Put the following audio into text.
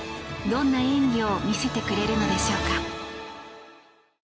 どんな演技を見せてくれるのでしょうか。